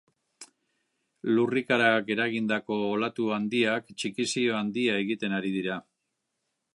Lurrikarak eragindako olatu handiak txikizio handia egiten ari dira.